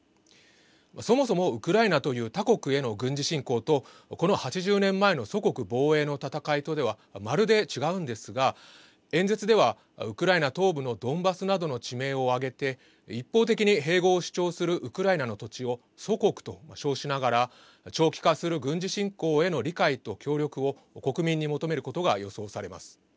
そもそもウクライナという他国への軍事侵攻とこの８０年前の祖国防衛の戦いとでは、まるで違うんですが演説では、ウクライナ東部のドンバスなどの地名を挙げて一方的に併合を主張するウクライナの土地を祖国と称しながら長期化する軍事侵攻への理解と協力を国民に求めることが予想されます。